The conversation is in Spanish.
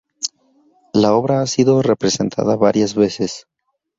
La obra ha sido representada varias veces.